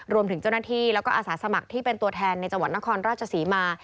รวมถึงเจ้าหน้าที่แล้วก็อาสาสมัครที่เป็นตัวแทนในจังหวัดนครราชศรีมา